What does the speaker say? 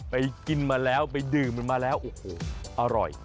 ไปกินมาแล้วไปดื่มมาแล้วอาหล่อย